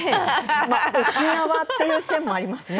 沖縄っていう線もありますね。